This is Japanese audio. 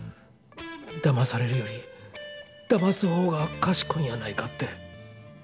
だまされるよりだます方がかしこいんやないかって。